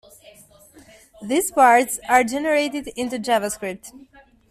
These parts are generated into JavaScript.